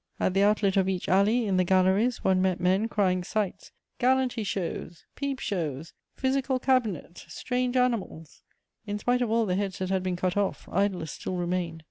At the outlet of each alley, in the galleries, one met men crying sights: "galanty shows," "peep shows," "physical cabinets," "strange animals;" in spite of all the heads that had been cut off, idlers still remained.